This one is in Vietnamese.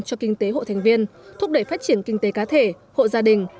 cho kinh tế hộ thành viên thúc đẩy phát triển kinh tế cá thể hộ gia đình